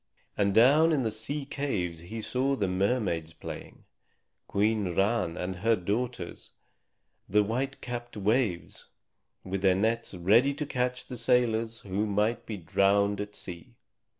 And down in the sea caves he saw the mermaids playing, Queen Ran and her daughters the white capped Waves, with their nets ready to catch the sailors who might be drowned at sea.